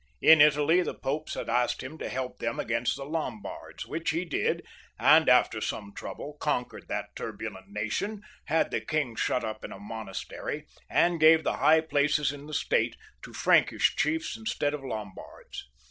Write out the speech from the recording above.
In Italy the Popes had asked him to help them against the Lombards, which he did, and after some trouble conquered that turbulent nation, had the king shut up in a monastery, and gave the high places in the State to Prankish chiefs instead of Lombards.